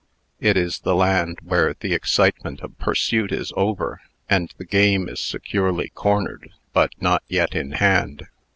It is the land where the excitement of pursuit is over, and the game is securely cornered, but not yet in hand.